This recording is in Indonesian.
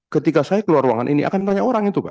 ketika saya keluar ruangan ini akan ditanya orang itu pak